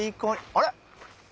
あれ？